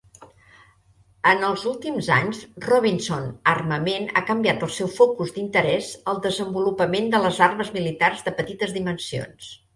En els últims anys, Robinson Armament ha canviat el seu focus d"interès al desenvolupament de les armes militars de petites dimensions.